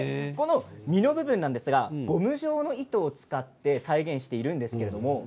実の部分はゴム状の糸を使って再現しています。